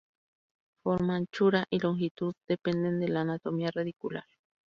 Forma, anchura y longitud dependen de la anatomía radicular.